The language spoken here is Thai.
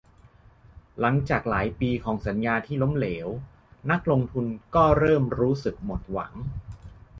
หลังจากหลายปีของสัญญาที่ล้มเหลว นักลงทุนก็เริ่มรู้สึกหมดหวัง